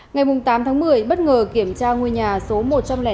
ngày tám một mươi bất ngờ kiểm tra ngôi nhà số một trăm linh năm nguyễn lâm